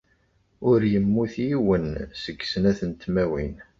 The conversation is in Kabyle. Ur yemmut yiwen seg snat n tmawin.